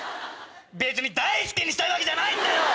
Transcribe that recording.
別に大助にしたいわけじゃないんだよ！